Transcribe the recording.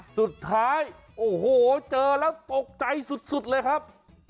สุดท้ายโอ้โหเจอแล้วตกใจสุดเลยครับ